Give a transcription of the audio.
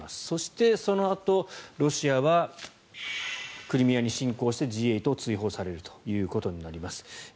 そして、そのあとロシアはクリミアに侵攻してＧ８を追放されるということになります。